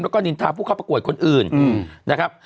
แล้วก็นินทาผู้เข้าประกวดคนอื่นนะครับ